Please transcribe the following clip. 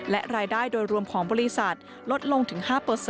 และรายได้โดยรวมของบริษัทลดลงถึง๕